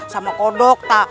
sama kodok atu